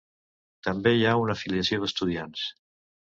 També hi ha una afiliació d'estudiants.